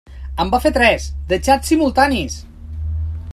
En va fer tres, de xats simultanis!